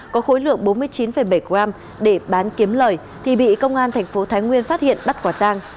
có khối lượng bốn mươi chín bảy g để bán kiếm lời thì bị công an tp thái nguyên phát hiện bắt quả trang